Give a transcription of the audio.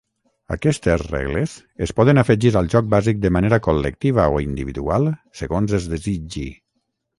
Aquestes regles es poden afegir al joc bàsic de manera col·lectiva o individual segons es desitgi.